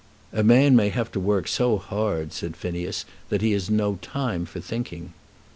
"A man may have to work so hard," said Phineas, "that he has no time for thinking."